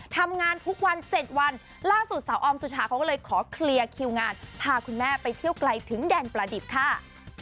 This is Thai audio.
ทำงานทุกวัน๗วันล่าสุดสาวออมสุชาเขาก็เลยขอเคลียร์คิวงานพาคุณแม่ไปเที่ยวไกลถึงแดนประดิษฐ์ค่ะ